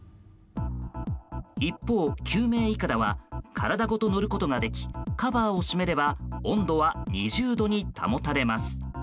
一方、救命いかだは体ごと乗ることができカバーを閉めれば、温度は２０度に保たれます。